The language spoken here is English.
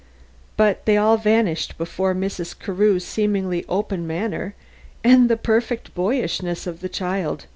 "But they all vanished before Mrs. Carew's seemingly open manner and the perfect boyishness of the child.